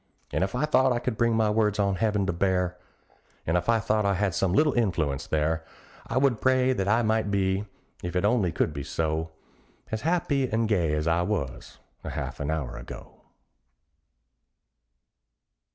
And if I thought I could bring my words on heaven to bear, And if I thought I had some little influence there, I would pray that I might be, if it only could be so. As happy and gay as I was a half an hour ago.